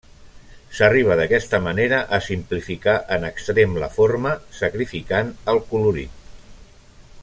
S'arriba d'aquesta manera a simplificar en extrem la forma, sacrificant al colorit.